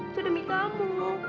itu demi kamu